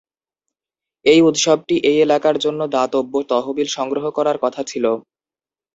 এই উৎসবটি এই এলাকার জন্য দাতব্য তহবিল সংগ্রহ করার কথা ছিল।